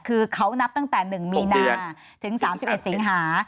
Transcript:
คือเขานับตั้งแต่๑มีนาถึง๓๑สิงหา